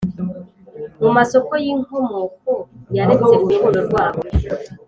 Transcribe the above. mu masoko y'inkomoko yaretse urukundo rwabo,